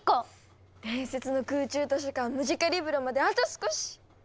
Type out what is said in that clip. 伝説の空中図書館ムジカリブロまであと少し！